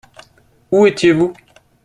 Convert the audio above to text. Où étiez-vous ?